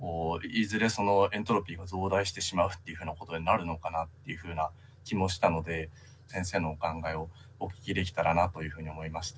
そのエントロピーが増大してしまうっていうふうなことになるのかなっていうふうな気もしたので先生のお考えをお聞きできたらなというふうに思いました。